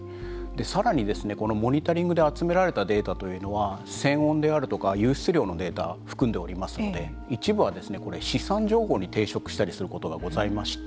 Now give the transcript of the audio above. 更にこのモニタリングで集められたデータというのは泉温であるとか湧出量のデータ含んでおりますので一部は資産情報に抵触したりすることがございまして。